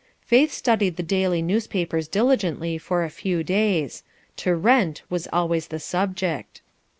Faith studied the daily newspapers diligently for a few days. "To Rent" was always the subject.